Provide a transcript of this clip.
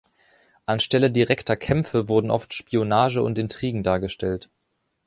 Anstelle direkter Kämpfe wurden oft Spionage und Intrigen dargestellt.